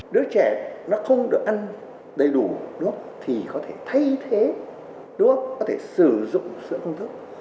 đứa trẻ nó không được ăn đầy đủ thì có thể thay thế có thể sử dụng sữa công thức